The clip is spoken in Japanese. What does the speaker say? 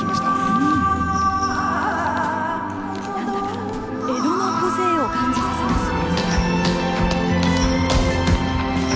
なんだか江戸の風情を感じさせますね。